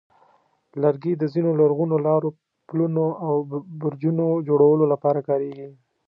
لرګي د ځینو لرغونو لارو، پلونو، او برجونو جوړولو لپاره کارېږي.